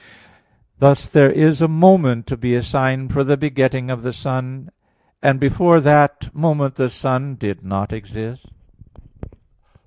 Thus there is a moment to be assigned for the begetting of the Son, and before that moment the Son did not exist.